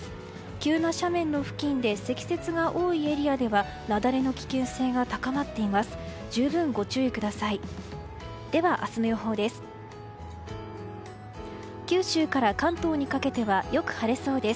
急な斜面の付近で積雪が多いエリアでは雪崩の危険性が高まっています。